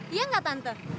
iya enggak tante